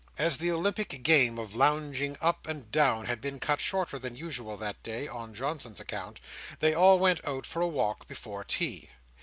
As the Olympic game of lounging up and down had been cut shorter than usual that day, on Johnson's account, they all went out for a walk before tea.